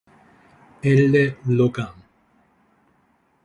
Elle Logan